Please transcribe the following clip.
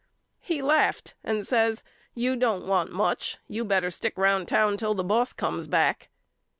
He laughed and says You don't want much. You better stick round town till the boss comes back.